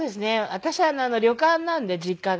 私旅館なんで実家が。